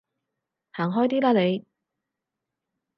行開啲啦你